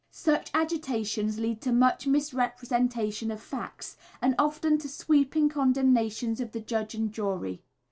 Such agitations lead to much misrepresentation of facts, and often to sweeping condemnations of the judge and jury.